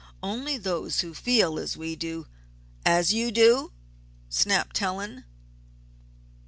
Only, those who feel as we do " "As you do!" snapped Helen.